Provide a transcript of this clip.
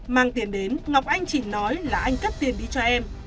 mang tiền đến ngọc anh chỉ nói là anh cắt tiền đi cho em